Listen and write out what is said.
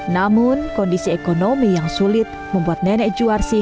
namun kondisi ekonomi yang sulit membuat nenek juarsi